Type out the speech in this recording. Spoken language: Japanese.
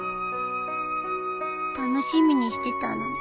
楽しみにしてたのに